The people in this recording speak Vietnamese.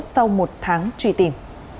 sau một tháng trùy tìm